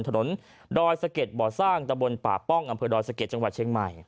ดอยสะเก็ดบ่อสร้างตะบนป่าป้องอำเภอดอยสะเก็ดจังหวัดเชียงใหม่